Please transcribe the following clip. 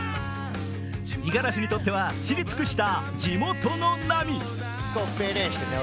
五十嵐にとっては知り尽くした地元の波。